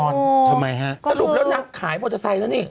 สรุปแล้วหนักขายมอเตอร์ไซค์แล้วนี่